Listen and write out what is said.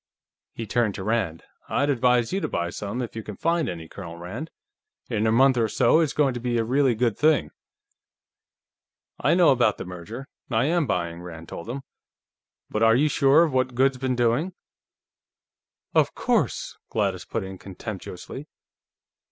He turned to Rand. "I'd advise you to buy some, if you can find any, Colonel Rand. In a month or so, it's going to be a really good thing." "I know about the merger. I am buying," Rand told him. "But are you sure of what Goode's been doing?" "Of course," Gladys put in contemptuously.